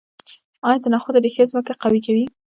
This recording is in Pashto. آیا د نخودو ریښې ځمکه قوي کوي؟